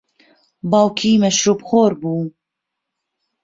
باوکی مەشروبخۆر بوو.